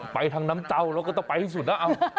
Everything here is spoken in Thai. ไปทางน้ำเต้าเราก็ต้องไปที่สุดนะ